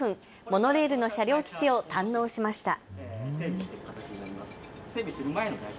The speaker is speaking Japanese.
モノレールの車両基地を堪能しました。